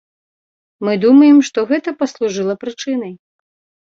Мы думаем, што гэта паслужыла прычынай.